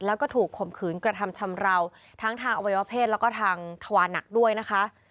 แล้วก็ถูกข่มขืนกระทำชำราวทั้งทางอวัยวะเพศแล้วก็ทางทวานักด้วยนะคะ